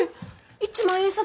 一万円札？